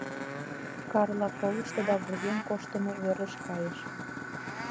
Карла колышто да вургем коштымо верыш кайыш.